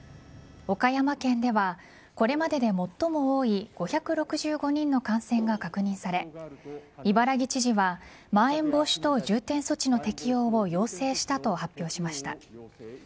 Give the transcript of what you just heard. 岡山県ではこれまでで最も多い５６５人の感染が確認され伊原木知事はまん延防止等重点措置の適用を要請したと発表しました。